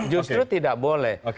justru tidak boleh